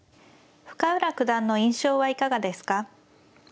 深浦九段の印象はいかがですか。